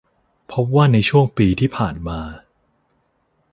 พบว่าในช่วงปีที่ผ่านมา